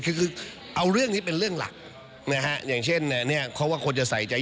คือคือเอาเรื่องนี้เป็นเรื่องหลักนะฮะอย่างเช่นเนี่ยเขาว่าคนจะใส่ใจ